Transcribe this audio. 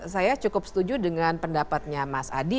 saya cukup setuju dengan pendapatnya mas adi